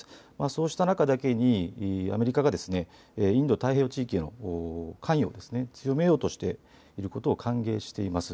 そうした中だけにアメリカがインド太平洋地域への関与を強めようとしていることを歓迎しています。